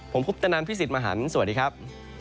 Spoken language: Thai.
ผมคุปตนันพี่สิทธิ์มหันฯสวัสดีครับ